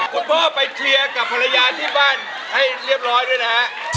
พ่อไปเคลียร์กับภรรยาที่บ้านให้เรียบร้อยด้วยนะฮะ